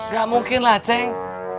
gak mungkin lah ceng